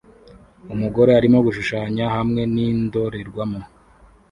Umugore arimo gushushanya hamwe n'indorerwamo